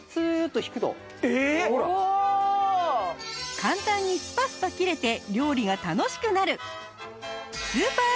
簡単にスパスパ切れて料理が楽しくなる！